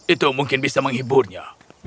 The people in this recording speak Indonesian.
itu mungkin bisa menghiburnya